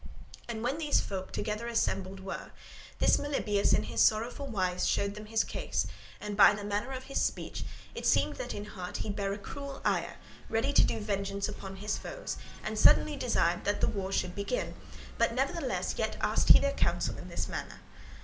And when these folk together assembled were, this Melibœus in sorrowful wise showed them his case, and by the manner of his speech it seemed that in heart he bare a cruel ire, ready to do vengeance upon his foes, and suddenly desired that the war should begin, but nevertheless yet asked he their counsel in this matter.